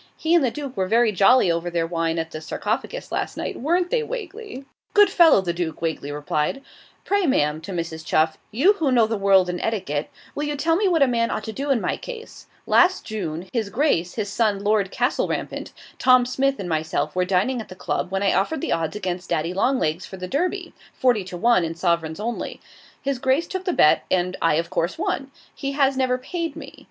He and the Duke were very jolly over their wine at the "Sarcophagus" last night; weren't they, Wagley?' 'Good fellow, the Duke,' Wagley replied. 'Pray, ma'am' (to Mrs. Chuff), 'you who know the world and etiquette, will you tell me what a man ought to do in my case? Last June, his Grace, his son Lord Castlerampant, Tom Smith, and myself were dining at the Club, when I offered the odds against DADDYLONGLEGS for the Derby forty to one, in sovereigns only. His Grace took the bet, and of course I won. He has never paid me.